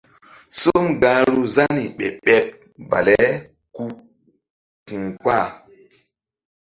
Som gahru Zani ɓeɓ ɓeɓ bale ke ku̧ kpah.